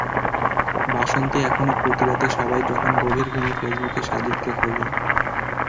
বাসন্তী এখনো প্রতি রাতে সবাই যখন গভীর ঘুমে ফেসবুকে সাজিদকে খোঁজে।